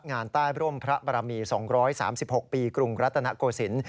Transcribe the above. งานใต้ร่วมพระประมี๒๓๖ปีกรุงรัฐนโกสิน